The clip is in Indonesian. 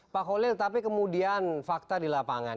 pak holil tapi kemudian fakta di lapangan